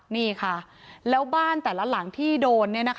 นี่ค่ะแล้วบ้านแต่ละหลังที่โดน